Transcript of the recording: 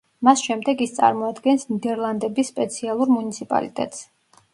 მას შემდეგ ის წარმოადგენს ნიდერლანდების სპეციალურ მუნიციპალიტეტს.